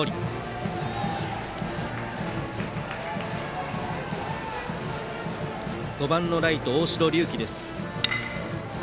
バッターは５番ライト、大城龍紀。